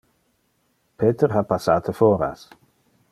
Peter ha passate foras.